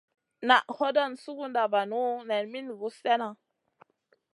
Naʼ hodon suguda vanu nen min guss slena.